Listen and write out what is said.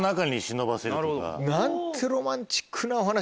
何てロマンチックなお話。